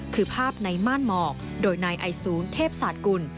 คือภาพในม่านหมอกโดยนายไอศูนย์เทพศาสตกุล